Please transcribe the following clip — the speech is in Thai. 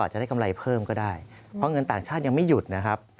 จะได้กำไรเพิ่มก็ได้เพราะเงินต่างชาติยังไม่หยุดนะครับ